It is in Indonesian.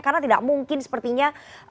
karena tidak mungkin sepertinya